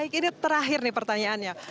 ini terakhir nih pertanyaannya